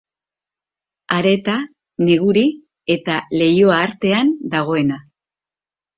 Areeta, Neguri eta Leioa artean dagoena.